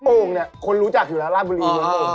โอ้งคนรู้จักอยู่แล้วราดบุรีรวมโอ้ง